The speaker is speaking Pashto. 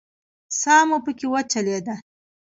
ساه مو پکې وچلېده.